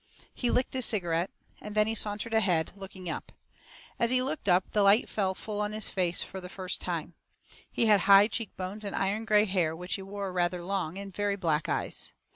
He licked his cigarette, and then he sauntered ahead, looking up. As he looked up the light fell full on his face fur the first time. He had high cheek bones and iron gray hair which he wore rather long, and very black eyes.